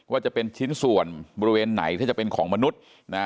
ว่าจะเป็นชิ้นส่วนบริเวณไหนถ้าจะเป็นของมนุษย์นะ